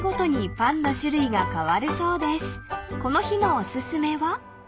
［この日のお薦めは］